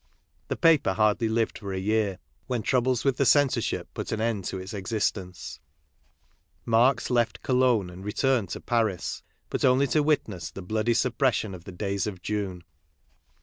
The paper hardly lived for a year, when troubles with the censorship put an end to its existence, Marx left Cologne and returned to Paris, but only to witness the bloody suppression of the days of June.